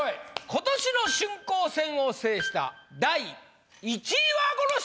今年の春光戦を制した第１位はこの人！